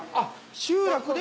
集落で？